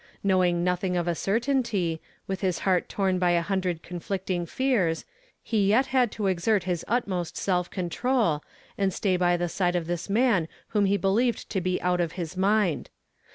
Knowing nothing of a certainty, witli ius heart torn by a hundred conflicting feare, he yet had to exert his utmost self control, and stay by the side of this man whom he believed to be out of his mind.